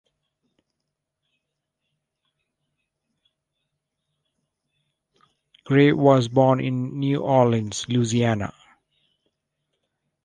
Gray was born in New Orleans, Louisiana.